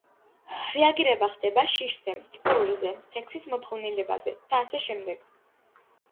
რეაგირება ხდება შიშზე, წყურვილზე, სექსის მოთხოვნილებაზე და ასე შემდეგ.